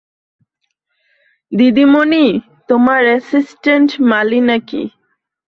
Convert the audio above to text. দিদিমণি তোমার অ্যাসিস্টেন্ট মালী নাকি।